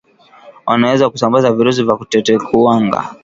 wanaweza kusambaza virusi vya tetekuwanga